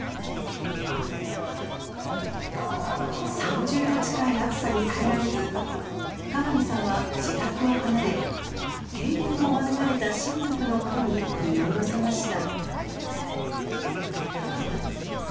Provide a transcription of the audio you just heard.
３０度近い暑さに耐えられず加賀見さんは自宅を離れ停電を免れた親族のもとに身を寄せました。